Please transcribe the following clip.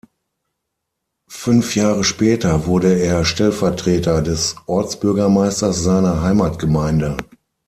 Fünf Jahre später wurde er Stellvertreter des Ortsbürgermeisters seiner Heimatgemeinde.